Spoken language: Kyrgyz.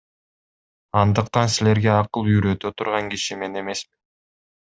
Андыктан силерге акыл үйрөтө турган киши мен эмесмин.